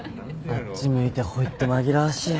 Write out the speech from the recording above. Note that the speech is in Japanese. あっち向いてほいって紛らわしい。